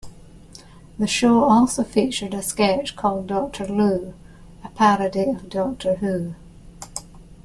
The show also featured a sketch called Doctor Loo, a parody of "Doctor Who".